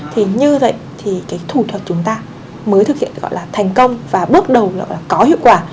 thì như vậy thì cái thủ thuật chúng ta mới thực hiện gọi là thành công và bước đầu là có hiệu quả